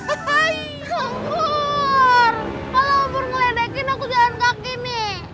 ampun kalau ampun ngeledekin aku jalan kaki nih